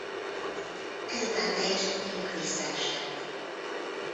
Ezután teljesítményük visszaesett.